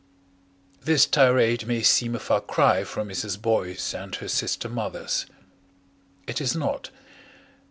This tirade may seem a far cry from Mrs. Boyce and her sister mothers. It is not.